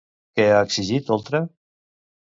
Què ha exigit Oltra?